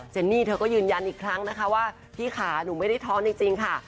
นี่เธอก็ยืนยันอีกครั้งนะคะว่าพี่ขาหนูไม่ได้ท้องจริงค่ะ